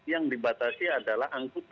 yang dibatasi adalah angkut